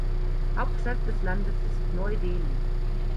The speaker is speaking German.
Hauptstadt des Landes ist Neu-Delhi.